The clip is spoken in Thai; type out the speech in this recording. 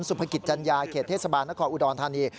สุภกิจจัญญาเขตเทศบาลนครอุดรธานี